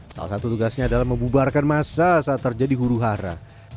salah satu tugasnya adalah membubarkan massa saat terjadi huru hara